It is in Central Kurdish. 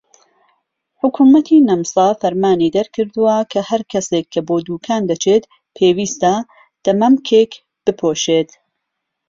حکومەتی نەمسا فەرمانی دەرکردووە کە هەر کەسێک کە بۆ دوکان دەچێت پێویستە دەمامکێک بپۆشێت.